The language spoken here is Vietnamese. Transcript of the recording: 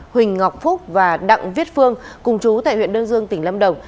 huỳnh ngọc phúc và đặng viết phương cùng chú tại huyện đơn dương tỉnh lâm đồng